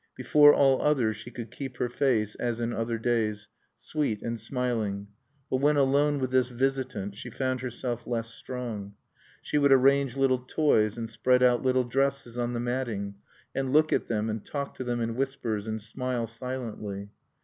Before all others she could keep her face, as in other days, sweet and smiling. But when alone with this visitant, she found herself less strong. She would arrange little toys and spread out little dresses on the matting, and look at them, and talk to them in whispers, and smile silently.